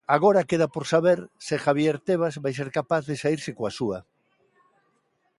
Agora queda por saber se Javier Tebas vai ser capaz de saírse coa súa.